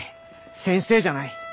先生じゃない。